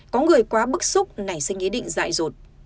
có người quá bức xúc nảy sinh ý định dại rột